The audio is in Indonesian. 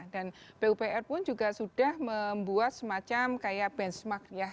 dan pupr pun juga sudah membuat semacam kayak benchmark ya